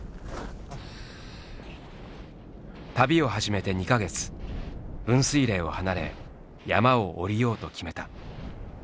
旅を始めて２か月分水嶺を離れ山を下りようと決めた。